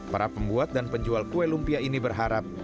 para pembuat dan penjual kue lumpia ini berharap